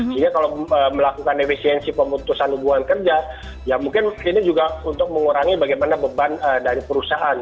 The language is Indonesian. jadi kalau melakukan efisiensi pemutusan hubungan kerja ya mungkin ini juga untuk mengurangi bagaimana beban dari perusahaan